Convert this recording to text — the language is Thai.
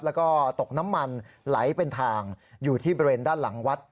แล้วก็ตกน้ำมันไหลเป็นทางอยู่ที่บริเวณด้านหลังวัด